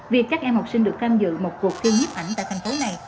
việc các em học sinh được tham dự một cuộc thiên nhíp ảnh tại thành phố này